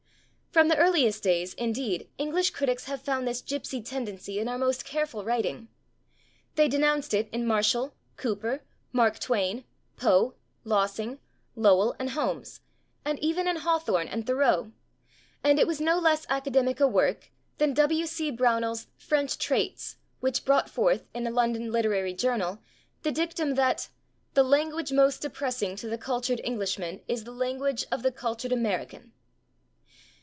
From the earliest days, indeed, English critics have found this gipsy tendency in our most careful writing. They denounced it in Marshall, Cooper, Mark Twain, Poe, Lossing, Lowell and Holmes, and even in Hawthorne and Thoreau; and it was no less academic a work than W. C. Brownell's "French Traits" which brought forth, in a London literary journal, the dictum that "the language most depressing to the cultured Englishman is the language of the cultured American."